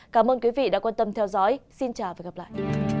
cảm ơn quý vị đã quan tâm theo dõi xin chào và hẹn gặp lại